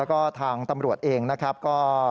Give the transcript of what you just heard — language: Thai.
แล้วก็ทางตำรวจเองก็